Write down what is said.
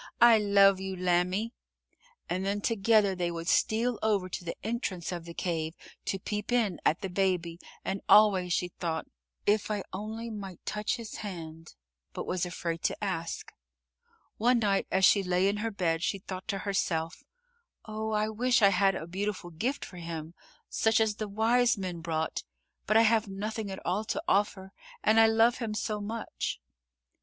I love you, lambie," and then together they would steal over to the entrance of the cave to peep in at the Baby, and always she thought, "If I only might touch his hand," but was afraid to ask. One night as she lay in her bed, she thought to herself: "Oh, I wish I had a beautiful gift for him, such as the wise men brought, but I have nothing at all to offer and I love him so much."